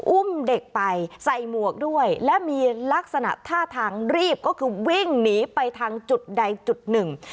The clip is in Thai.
อุ้มเด็กไปใส่หมวกด้วยและมีลักษณะท่าทางรีบก็คือวิ่งหนีไปทางจุดใดจุดหนึ่ง